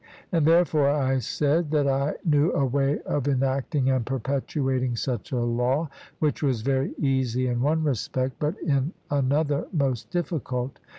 And therefore I said that I knew a way of enacting and perpetuating such a law, which was very easy in one respect, but in another most difficult.